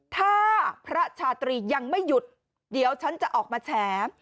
ถ้าพระชาตรียังไม่หยุดเดี๋ยวฉันจะออกมาแฉ